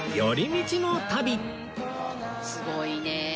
すごいねえ